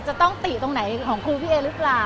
จะต้องติตรงไหนของครูพี่เอหรือเปล่า